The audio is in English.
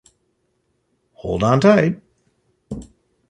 Hold on tight!